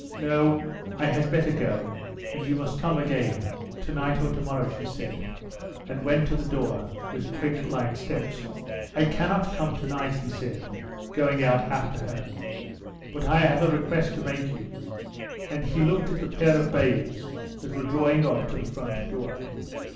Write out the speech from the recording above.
"No, I had better go, and you must come again, to night or to morrow," she said, and went to the door with quick, light steps. "I cannot come to night," he said, going out after her; "but I have a request to make you," and he looked at the pair of bays that were drawing up to the front door.